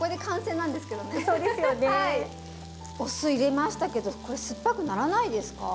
お酢入れましたけどこれ酸っぱくならないですか？